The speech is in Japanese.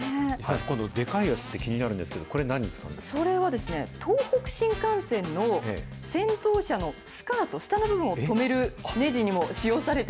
今度このでかいやつ気になるんですけど、これ、何に使うんでそれは、東北新幹線の先頭車のスカート、下の部分を留めるねじにも使用さ